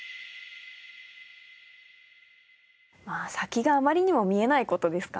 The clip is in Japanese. まあ先があまりにも見えない事ですかね。